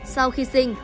sau khi sinh